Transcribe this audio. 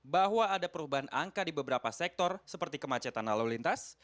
bahwa ada perubahan angka di beberapa sektor seperti kemacetan lalu lintas